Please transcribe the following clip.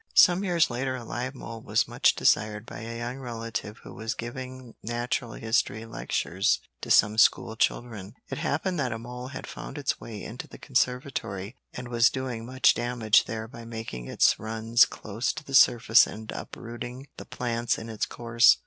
Some years later a live mole was much desired by a young relative who was giving Natural History lectures to some school children. It happened that a mole had found its way into the conservatory and was doing much damage there by making its runs close to the surface and uprooting the plants in its course.